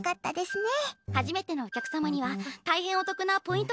初めてのお客様には大変お得なポイント